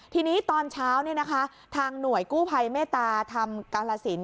ทีนี้ตอนเช้าทางหน่วยกู้ภัยเมตตาธรรมกาลสิน